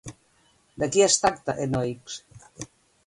De qui es tracta Enoix?